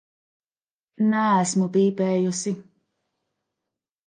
Neesmu pīpējusi.